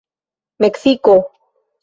meksiko